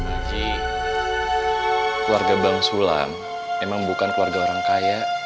haji keluarga bang sulam memang bukan keluarga orang kaya